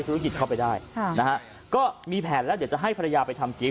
ธุรกิจเข้าไปได้ค่ะนะฮะก็มีแผนแล้วเดี๋ยวจะให้ภรรยาไปทำกิ๊